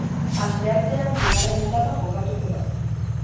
Asteartean bigarren etapa jokatuko da.